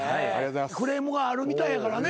クレームがあるみたいやからね。